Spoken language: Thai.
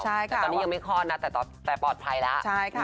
แต่ตอนนี้ยังไม่คลอดเพราะตัวแต่ปลอดภัยและ